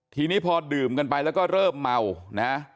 ทีนี้พอดื่มกันไปแล้วก็เริ่มเมานะ